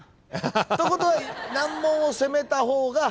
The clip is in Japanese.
ということは難問を攻めた方が。